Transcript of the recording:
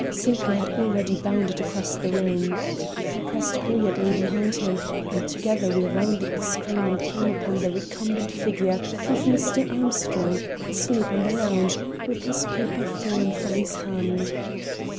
Sinclair had already bounded across the room. I pressed hurriedly behind him, and together we rounded the screen and came upon the recumbent figure of Mr. Armstrong, asleep on the lounge, with his paper fallen from his hand.